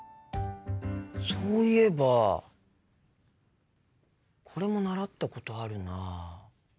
そういえばこれも習ったことあるな。